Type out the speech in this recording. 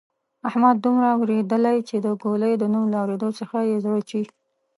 احمد دومره وېرېدلۍ چې د ګولۍ د نوم له اورېدو څخه یې زړه چوي.